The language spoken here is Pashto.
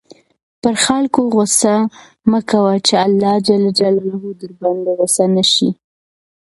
پر خلکو غصه مه کوه چې اللهﷻ درباندې غصه نه شي.